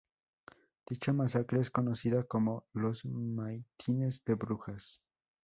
Dicha masacre es conocida como los Maitines de Brujas.